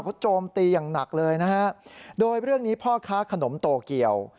เขาโจมตีอย่างหนักเลยนะฮะโดยเรื่องนี้พ่อค้าขนมโตเกียว